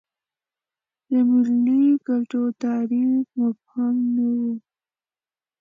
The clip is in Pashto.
د ملي ګټو تعریف مبهم نه و.